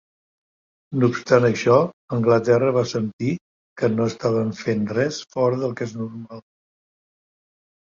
No obstant això, Anglaterra va sentir que no estaven fent "res fora del que és normal".